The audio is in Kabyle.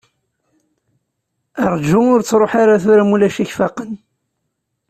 Rju, ur ttruḥ ara tura, ma ulac ad k-faqen.